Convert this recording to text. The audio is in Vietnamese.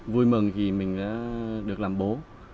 vui mừng khi mình đã được làm bố